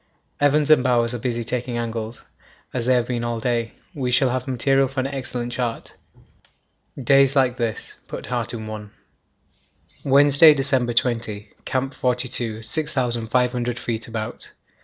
Evans and Bowers are busy taking angles; as they have been all day, we shall have material for an excellent chart. Days like this put heart in one. Wednesday, December 20. Camp 42. 6500 feet about.